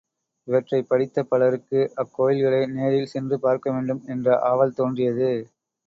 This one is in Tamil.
இவற்றைப் படித்த பலருக்கு அக்கோயில்களை நேரில் சென்று பார்க்க வேண்டும் என்ற ஆவல் தோன்றியது.